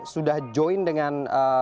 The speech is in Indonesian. sudah join dengan